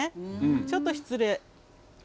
ちょっと失礼。